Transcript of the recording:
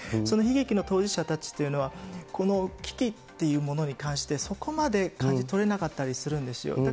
その悲劇の当事者たちというのは、この危機というものに関して、そこまで感じ取れなかったりするんですよ。